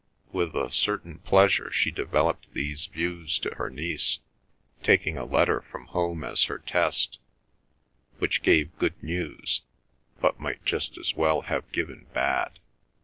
With a certain pleasure she developed these views to her niece, taking a letter from home as her test: which gave good news, but might just as well have given bad.